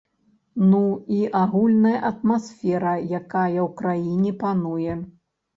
Ну, і агульная атмасфера, якая ў краіне пануе.